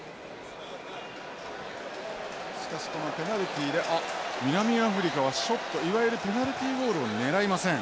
しかしこのペナルティーで南アフリカはショットいわゆるペナルティーゴールを狙いません。